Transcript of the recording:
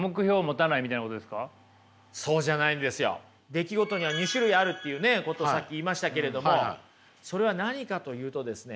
出来事には２種類あるということをさっき言いましたけれどもそれは何かと言うとですね